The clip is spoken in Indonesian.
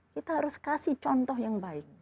kita harus kasih contoh yang baik